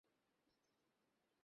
নিশ্চিত নই কল করলে আসবে কিনা।